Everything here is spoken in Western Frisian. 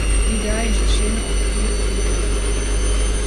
Dy dei is de sinne om kertier oer fiven opkommen.